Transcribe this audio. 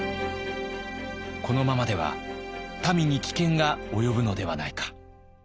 このままでは民に危険が及ぶのではないか。